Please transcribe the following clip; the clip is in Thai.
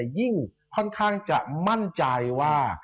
ยิ่งค่อนข้างจะมั่นใจว่า